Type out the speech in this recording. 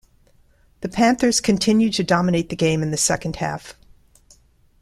The Panthers continued to dominate the game in the second half.